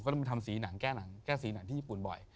ก็ต้องไปทำสีหนังแก้หนังที่ญี่ปุ่นบ่อย